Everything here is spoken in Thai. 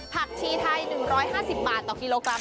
ผักชีไทย๑๕๐บาทต่อกิโลกรัม